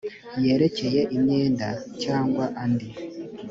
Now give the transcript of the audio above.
yerekeye imyenda cyangwa andi